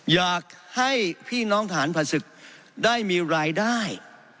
อยากให้พี่น้องทหารผ่านศึกได้มีรายได้